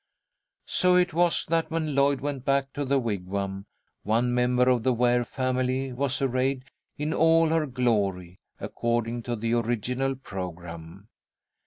So it was that when Lloyd went back to the Wigwam one member of the Ware family was arrayed in all her glory according to the original programme.